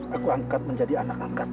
aku angkat menjadi anak angkat